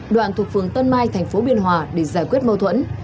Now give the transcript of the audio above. đoạn thuộc phường tân mai thành phố biên hòa để giải quyết mâu thuẫn